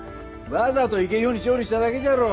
わざといけんように調理しただけじゃろ。